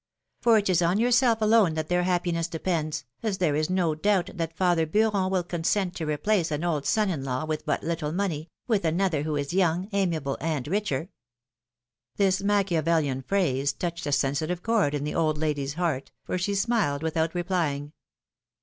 For it is on yourself alone that their happiness depends, as there is no doubt that father Bcuron will consent to replace an old son in law, with but little money, with another who is young, amiable and richer.^^ This Machiavelian phrase touched a sensitive chord in the old lady's heart, for she smiled without replying.